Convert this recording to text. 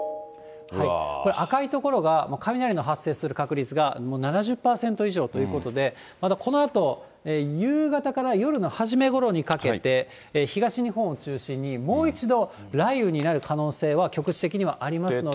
これ、赤い所が雷の発生する確率がもう７０％以上ということで、まだこのあと、夕方から夜の初めごろにかけて、東日本を中心に、もう一度雷雨になる可能性は局地的にはありますので。